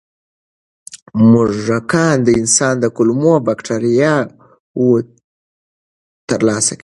موږکان د انسان د کولمو بکتریاوو ترلاسه کوي.